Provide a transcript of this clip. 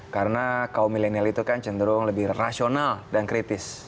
karena kaum milenial itu kan cenderung lebih rasional dan kritis